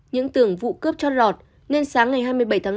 những tưởng vụ cướp cho lọt nên sáng ngày hai mươi bảy tháng năm